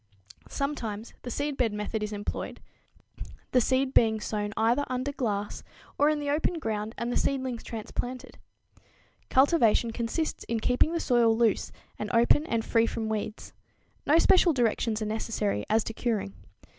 Sometimes the seedbed method is employed, the seed being sown either under glass or in the open ground and the seedlings transplanted. Cultivation consists in keeping the soil loose and open and free from weeds. No special directions are necessary as to curing.